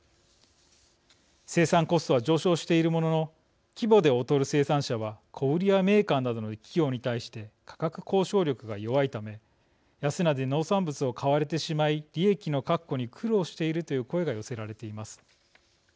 生産コストは上昇しているものの規模で劣る生産者は小売りやメーカーなどの企業に対して価格交渉力が弱いため安値で農産物を買われてしまい利益の確保に苦労しているという声が寄せられています。